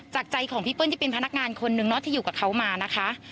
จากใจของพี่เปิ้ลที่เป็นพนักงานคนนึงเนาะที่อยู่กับเขามานะคะ